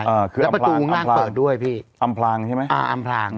อ่าคือประตูข้างล่างเปิดด้วยพี่อำพรางร์ใช่ไหมอ่าอำพรางร์